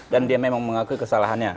dan dia memang mengakui kesalahannya